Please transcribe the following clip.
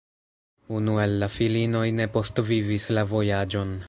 Unu el la filinoj ne postvivis la vojaĝon.